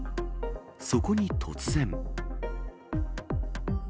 そこに突然。